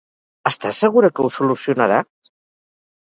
Està segura que ho solucionarà?